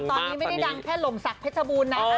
ตอนนี้ไม่ได้ดังแค่หล่มศักดิบูรณ์นะ